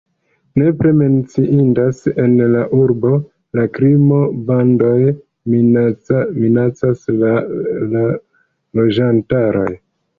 Nepre menciindas en la urbo la krimo, bandoj minacas la loĝantaron.